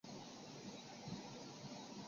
再给我十分钟，我这边快要完了。